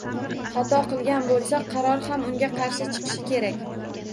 Xato qilgan bo‘lsa, qaror ham unga qarshi chiqishi kerak.